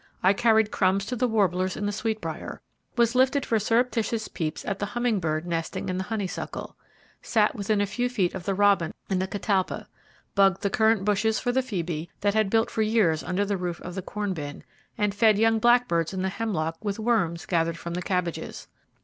I carried crumbs to the warblers in the sweetbrier; was lifted for surreptitious peeps at the hummingbird nesting in the honeysuckle; sat within a few feet of the robin in the catalpa; bugged the currant bushes for the phoebe that had built for years under the roof of the corn bin; and fed young blackbirds in the hemlock with worms gathered from the cabbages.